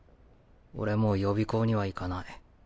俺もう予備校には行かない。